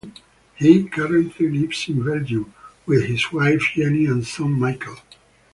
He currently lives in Belgium with his wife Jenny and son Michael.